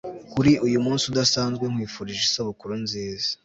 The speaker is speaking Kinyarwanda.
kuri uyumunsi udasanzwe, nkwifurije isabukuru nziza